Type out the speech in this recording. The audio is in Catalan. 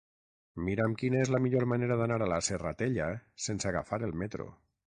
Mira'm quina és la millor manera d'anar a la Serratella sense agafar el metro.